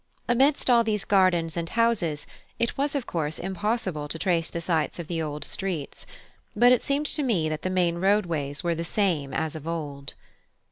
Amidst all these gardens and houses it was of course impossible to trace the sites of the old streets: but it seemed to me that the main roadways were the same as of old.